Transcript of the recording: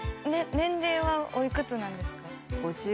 年齢はおいくつなんですか？